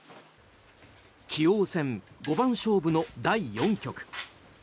棋王戦五番勝負の第４局。